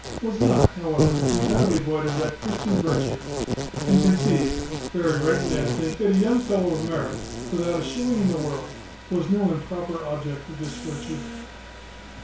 was not, however, entirely void of that Christian virtue; and conceived (very rightly I think) that a young fellow of merit, without a shilling in the world, was no improper object of this virtue.